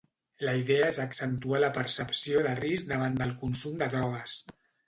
La idea és accentuar la percepció de risc davant del consum de drogues.